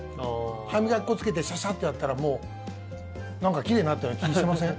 歯磨き粉つけてシャシャッとやったらもう、なんか奇麗になったような気しません？